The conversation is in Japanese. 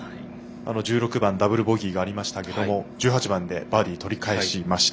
１６番、ダブルボギーがありましたが１８番でバーディーを取り返しました。